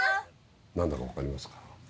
何だか分かりますか？